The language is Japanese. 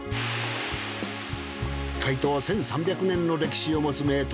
開湯１，３００年の歴史を持つ名湯